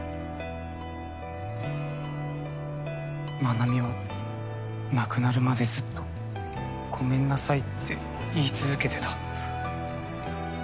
真奈美は亡くなるまでずっとごめんなさいって言い続けてた。